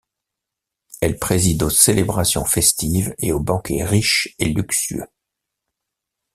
Elle préside aux célébrations festives et aux banquets riches et luxueux.